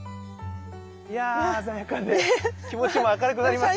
いや鮮やかで気持ちも明るくなりますね。